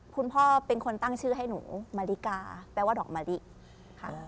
คุณพ่อเป็นคนตั้งชื่อให้หนูมาริกาแปลว่าดอกมะลิค่ะ